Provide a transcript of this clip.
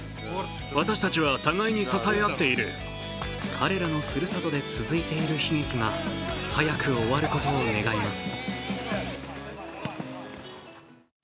彼らのふるさとで続いている悲劇が早く終わることを願います。